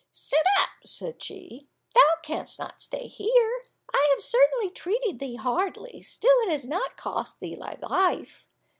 "Sit up," said she, "thou canst not stay here; I have certainly treated thee hardly, still it has not cost thee thy life.